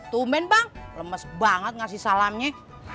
tumen bang lemes banget ngasih salamnya